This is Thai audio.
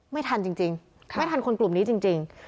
ไม่ทันจริงไม่ทันคนกลุ่มนี้จริง